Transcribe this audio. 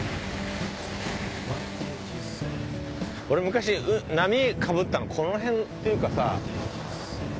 俺昔波かぶったのこの辺っていうかさ